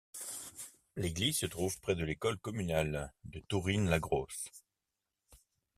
L'église se trouve près de l'école communale de Tourinnes-la-Grosse.